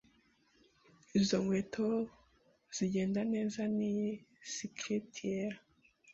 Izo nkweto zigenda neza niyi skirt yera.